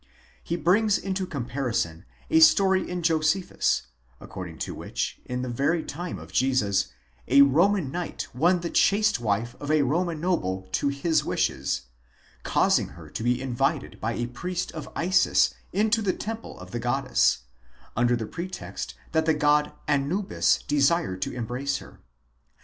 He brings into comparison a story in Jose phus,® according to which, in the very time of Jesus, a Roman knight won the chaste wife of a Roman noble to his wishes, by causing her to be invited by a priest of Isis into the temple of the goddess, under the pretext that the god Anubis desired to embrace her.